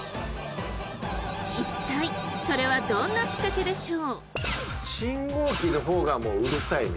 一体それはどんな仕掛けでしょう？